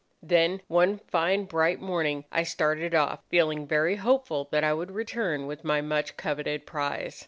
"Then one fine, bright morning I started off, feeling very hopeful that I would return with my much coveted prize.